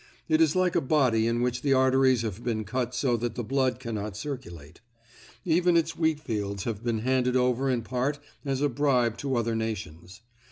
It is like a body in which the arteries have been cut so that the blood cannot circulate. Even its wheatfields have been handed over in part as a bribe to other nations.